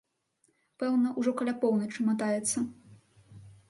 Пэўна, ужо каля поўначы матаецца.